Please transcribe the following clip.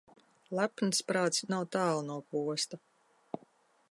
Lepns prāts nav tālu no posta.